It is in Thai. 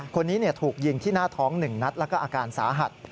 คนนี้ถูกยิงที่หน้าท้อง๑นัดแล้วก็อาการสาหัส